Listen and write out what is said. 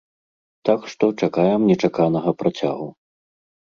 Так што, чакаем нечаканага працягу.